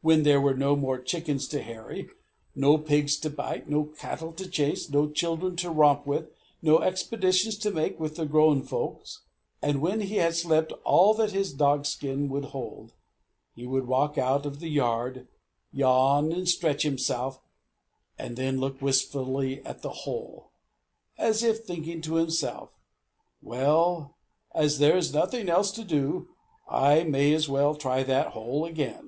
When there were no more chickens to harry, no pigs to bite, no cattle to chase, no children to romp with, no expeditions to make with the grown folks, and when he had slept all that his dogskin would hold, he would walk out of the yard, yawn and stretch himself, and then look wistfully at the hole, as if thinking to himself, "Well, as there is nothing else to do, I may as well try that hole again!"